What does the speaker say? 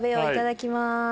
いただきます。